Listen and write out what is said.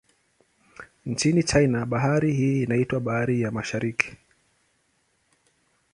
Nchini China, bahari hii inaitwa Bahari ya Mashariki.